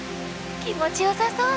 気持ちよさそう！